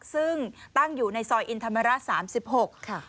ซึ่งตั้งอยู่ในซอยอินทะเมร่า๓๖